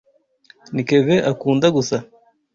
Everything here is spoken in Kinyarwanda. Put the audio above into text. Ni kevin akunda gusa.